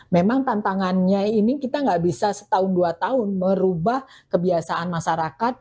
memang tantangannya ini kita nggak bisa setahun dua tahun merubah kebiasaan masyarakat